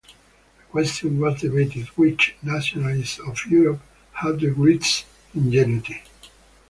A question was debated, which nationalist of Europe had the greatest ingenuity.